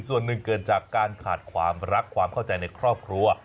ส่วนหนึ่งเกิดจากการขาดความรักความเข้าใจในครอบครัว